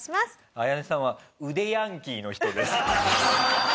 アヤネさんは腕ヤンキーの人です。